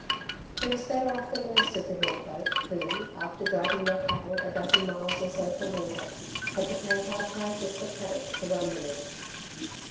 He was better off than most of the hill folk who, after driving their cattle a dozen miles or so for water, had to pay high prices for paddocks to run them in.